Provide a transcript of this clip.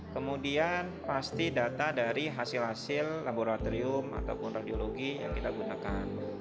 kemudian pasti data dari hasil hasil laboratorium ataupun radiologi yang kita gunakan